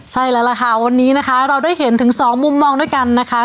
ใช่แล้วล่ะค่ะวันนี้นะคะเราได้เห็นถึงสองมุมมองด้วยกันนะคะ